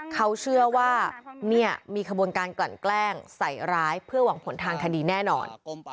เขาเชื่อว่าเนี่ยมีขบวนการกลั่นแกล้งใส่ร้ายเพื่อหวังผลทางคดีแน่นอน